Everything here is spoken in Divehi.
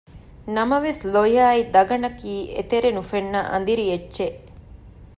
ނަމަވެސް ލޮޔާއި ދަގަނޑަކީ އެތެރެ ނުފެންނަ އަނދިރި އެއްޗެއް